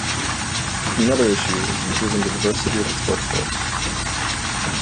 Another issue was improving the diversity of its workforce.